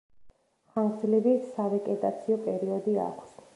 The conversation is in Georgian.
ხანგრძლივი სავეგეტაციო პერიოდი აქვს.